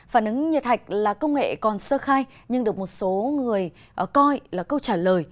phản ứng nhiệt hạch là công nghệ còn sơ khai nhưng được một số người coi là câu trả lời